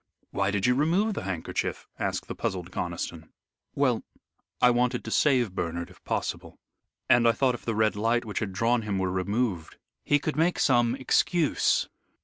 "Why did you remove the handkerchief?" asked the puzzled Conniston. "Well, I wanted to save Bernard if possible, and I thought if the Red Light which had drawn him were removed, he could make some excuse.